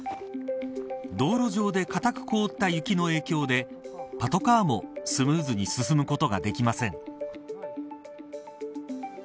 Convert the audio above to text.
道路上で固く凍った雪の影響でパトカーもスムーズに進むことができません。